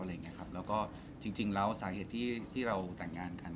แล้วก็จริงแล้วสาเหตุที่เราแต่งงานกัน